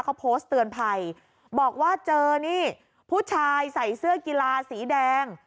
เขาโพสต์เตือนภัยบอกว่าเจอนี่ผู้ชายใส่เสื้อกีฬาสีแดง